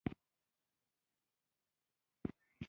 نور داسې کاتبان او میرزایان یې هم پېژندل.